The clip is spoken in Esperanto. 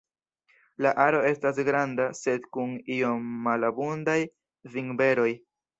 La aro estas granda sed kun iom malabundaj vinberoj.